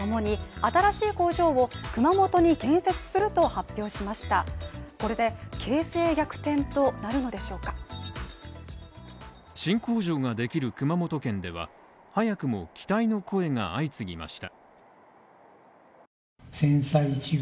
新工場ができる熊本県では、早くも期待の声が相次ぎました。